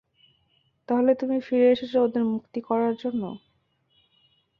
তাহলে, তুমি ফিরে এসেছ শুধু ওদের মুক্ত করার জন্য।